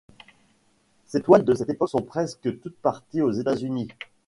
Ses toiles de cette époque sont presque toutes parties aux États-Unis.